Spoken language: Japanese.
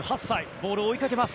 ボールを追いかけます。